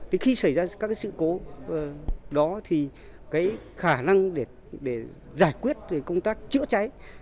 thì khi xảy ra các cái sự cố đó thì cái khả năng để giải quyết công tác chữa cháy